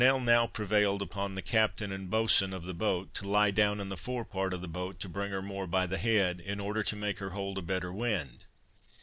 Purnell now prevailed upon the captain and boatswain of the boat to lie down in the fore part of the boat, to bring her more by the head, in order to make her hold a better wind.